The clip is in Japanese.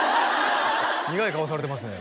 苦い顔されてますね